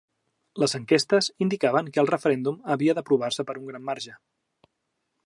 Les enquestes indicaven que el referèndum havia d'aprovar-se per un gran marge.